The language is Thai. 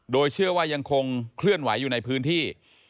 โดยเชื่อว่ายังคงเคลื่อนไหวอยู่ในพื้นที่